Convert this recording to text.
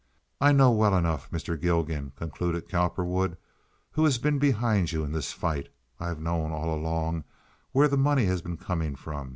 I know well enough, Mr. Gilgan," concluded Cowperwood, "who has been behind you in this fight. I've known all along where the money has been coming from.